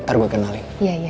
ntar gue kenalin